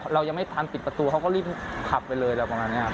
เรายังไม่ทันปิดประตูเขาก็รีบขับไปเลยอะไรประมาณนี้ครับ